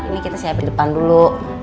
ini kita siapin depan dulu